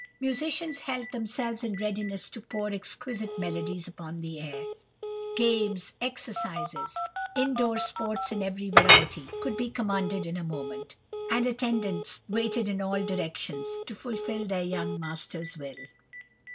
Musicians held themselves in readiness to pour exquisite melodies upon the air; games, exercises, in door sports in every variety could be commanded in a moment, and attendants waited in all directions to fulfil their young masters' will.